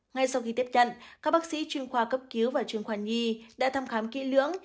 ngay sau khi tiếp nhận các bác sĩ chuyên khoa cấp cứu và chuyên khoa nhi đã thăm khám kỹ lưỡng